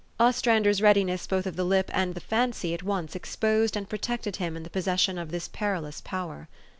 Ostrander 's readiness both of the lip and of the fancy at once exposed and pro tected him in the possession of this perilous power.